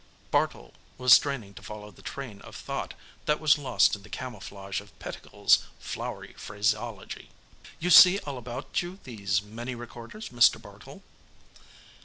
Bartle was straining to follow the train of thought that was lost in the camouflage of Pettigill's flowery phraseology. "You see all about you these many recorders, Mr. Bartle?"